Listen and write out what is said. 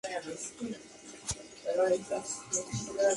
Trabajó en la redacción de "La Nueva España".